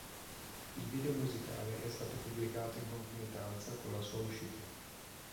Il video musicale è stato pubblicato in concomitanza con la sua uscita.